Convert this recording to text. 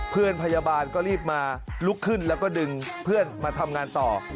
พยาบาลก็รีบมาลุกขึ้นแล้วก็ดึงเพื่อนมาทำงานต่อ